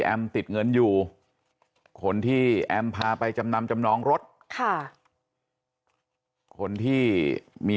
ติดเงินอยู่คนที่แอมพาไปจำนำจำนองรถค่ะคนที่มี